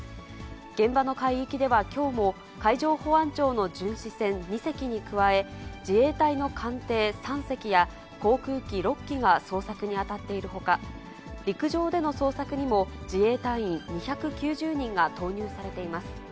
現場の海域ではきょうも海上保安庁の巡視船２隻に加え、自衛隊の艦艇３隻や、航空機６機が捜索に当たっているほか、陸上での捜索にも自衛隊員２９０人が投入されています。